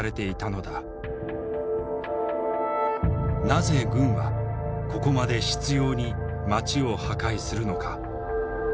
なぜ軍はここまで執ように町を破壊するのか。